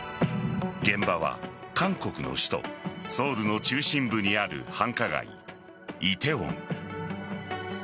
現場は、韓国の首都ソウルの中心部にある繁華街・梨泰院。